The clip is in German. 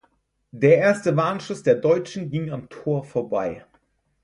Der erste Warnschuss der Deutschen ging am Tor vorbei.